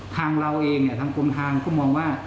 ทางเราเองทางกลมทางก็มองว่า